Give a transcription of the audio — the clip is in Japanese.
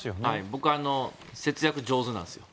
僕、節約上手なんです。